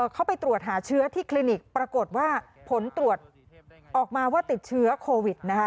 มาว่าติดเชื้อโควิด